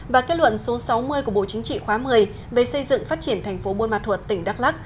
và kết luận số sáu mươi của bộ chính trị khóa một mươi về xây dựng phát triển thành phố buôn ma thuật tỉnh đắk lắc